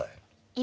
今？